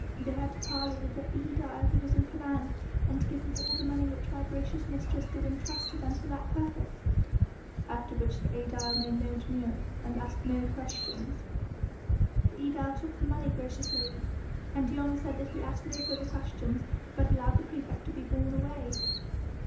"They had to parley with the aedile who was in command, and to give him all the money which my gracious mistress did entrust to them for that purpose." "After which the aedile made no demur ... and asked no questions?" "The aedile took the money, gracious lady, and Dion said that he asked no further questions, but allowed the praefect to be borne away."